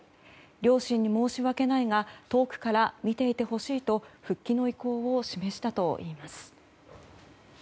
両親に申し訳ないが遠くから見ていてほしいと復帰の意向を示したといいます。